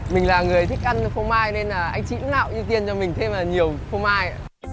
mình là người thích ăn phô mai nên là anh chị cũng lạo như tiên cho mình thêm là nhiều phô mai